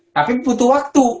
tapi butuh waktu